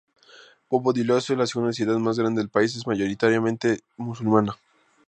Bobo-Dioulasso, la segunda ciudad más grande del país, es mayoritariamente musulmana.